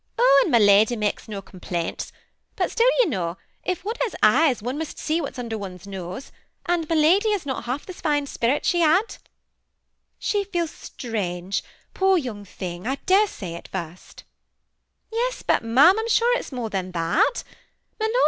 ^' Oh, and my lady makes no complaints ; but still, you know, if one has eyes one must seie what's under one's nose ; and my lady has not half the fine sperrits she had." THE BEMI AITACHED COUPLE. 126 " She feels strange, poor young thing ! I dare say, at first." " Yes ; but ma'am, Fm sure it's more than that.